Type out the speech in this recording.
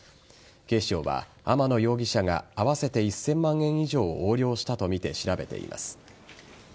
警視庁は天野容疑者が合わせて１０００万円以上を横領したとみて調べています。